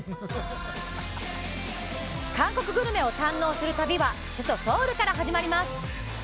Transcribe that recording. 韓国グルメを堪能する旅は首都・ソウルから始まります